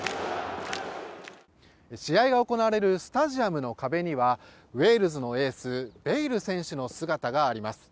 試合が行われるスタジアムの壁にはウェールズのエースベイル選手の姿があります。